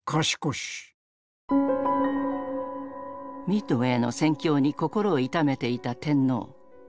ミッドウェーの戦況に心を痛めていた天皇。